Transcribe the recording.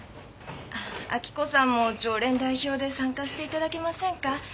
明子さんも常連代表で参加していただけませんか？